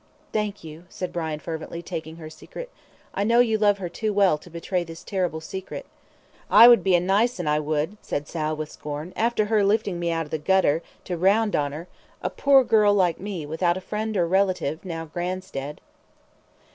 "Thank you," said Brian, fervently, taking her hand; "I know you love her too well to betray this terrible secret." "I would be a nice 'un, I would," said Sal, with a scorn, "after her lifting me out of the gutter, to round on her a poor girl like me, without a friend or a relative, now Gran's dead."